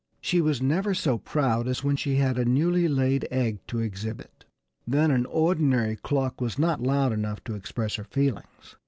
She was never so proud as when she had a newly laid egg to exhibit. Then an ordinary cluck was not loud enough to express her feelings.